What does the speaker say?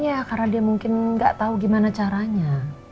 ya karena dia mungkin gak tahu gimana caranya